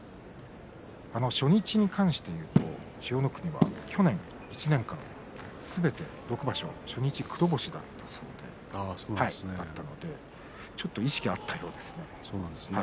初日に関して言うと千代の国は去年、１年間すべて６場所初日黒星だったそうでちょっと意識はあったそうですね。